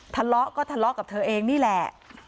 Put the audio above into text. ทะเลาะก็ทะเลาะกับเธอเองนี่แหละ